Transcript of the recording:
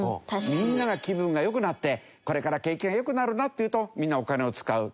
みんなが気分が良くなってこれから景気が良くなるなっていうとみんなお金を使う。